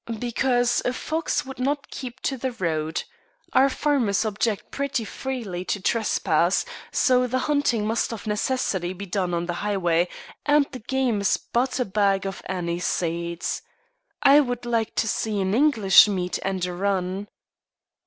"Because a fox would not keep to the road. Our farmers object pretty freely to trespass; so the hunting must of necessity be done on the highway, and the game is but a bag of anise seed. I would like to see an English meet and a run."